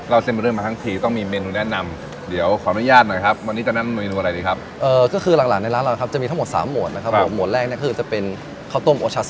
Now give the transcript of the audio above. เราเสร็จเรื่องมาทั้งทีต้องมีเมนูแนะนำ